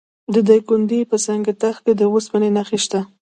د دایکنډي په سنګ تخت کې د وسپنې نښې شته.